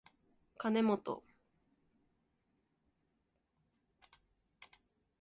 かねもと